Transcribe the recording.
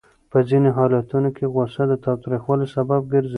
په ځینو حالتونو کې غوسه د تاوتریخوالي سبب ګرځي.